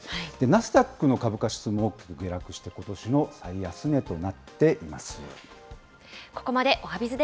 ナスダックの株価指数も大きく下落して、ことしの最安値となっています。